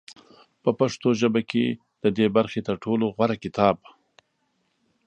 په پښتو ژبه کې د دې برخې تر ټولو غوره کتاب